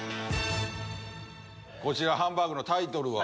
こちらハンバーグのタイトルは？